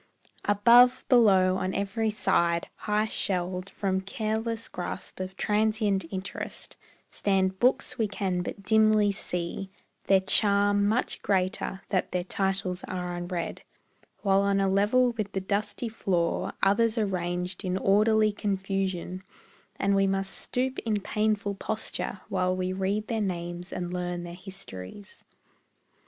Above, below, on every side, high shelved From careless grasp of transient interest, Stand books we can but dimly see, their charm Much greater that their titles are unread; While on a level with the dusty floor Others are ranged in orderly confusion, And we must stoop in painful posture while We read their names and learn their histories.